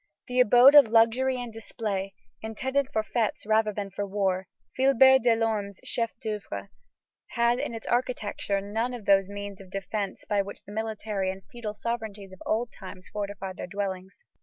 The abode of luxury and display, intended for fêtes rather than for war, Philibert Delorme's chef d'oeuvre has in its architecture none of those means of defence by which the military and feudal sovereignties of old times fortified their dwellings.